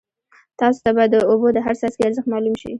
تاسو ته به د اوبو د هر څاڅکي ارزښت معلوم شي.